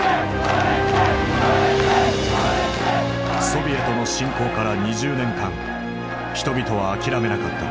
ソビエトの侵攻から２０年間人々は諦めなかった。